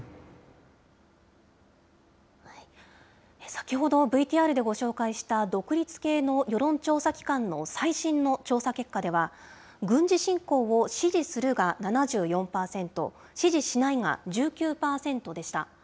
先ほどＶＴＲでご紹介した、独立系の世論調査機関の最新の調査結果では、軍事侵攻を支持するが７４％、支持しないが１９％でした。